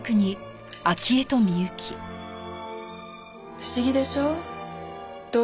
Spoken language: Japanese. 不思議でしょう？